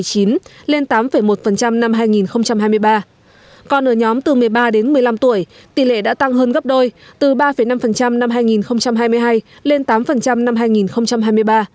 còn ở nhóm từ một mươi ba đến một mươi năm tuổi tỷ lệ đã tăng hơn gấp đôi từ ba năm năm hai nghìn hai mươi hai lên tám năm hai nghìn hai mươi ba